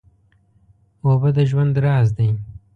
اوبه د ژوند راز دی.